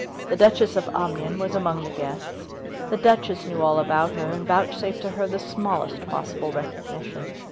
The Duchess of Omnium was among the guests. The Duchess knew all about her and vouchsafed to her the smallest possible recognition.